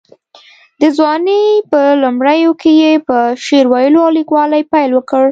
د ځوانۍ په لومړیو کې یې په شعر ویلو او لیکوالۍ پیل وکړ.